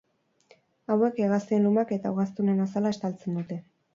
Hauek, hegaztien lumak eta ugaztunen azala estaltzen dute.